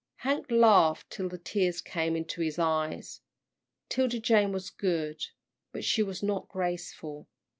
Hank laughed till the tears came into his eyes. 'Tilda Jane was good, but she was not graceful.